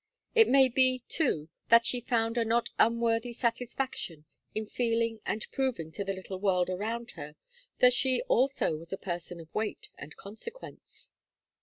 It may be, too, that she found a not unworthy satisfaction in feeling and proving to the little world around her, that she also was a person of weight and consequence.